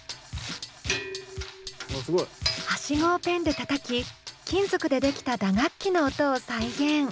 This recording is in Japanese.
ハシゴをペンでたたき金属で出来た打楽器の音を再現。